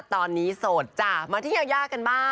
ตอนนี้โสดจ้ะมาที่ยายากันบ้าง